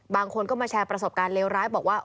บางคนก็มาแชร์ประสบการณ์เลวร้ายบอกว่า